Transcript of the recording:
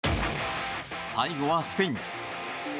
最後はスペイン。